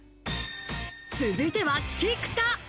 続いては菊田。